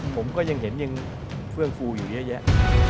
ผมก็ยังเห็นยังเฟื่องฟูอยู่เยอะแยะ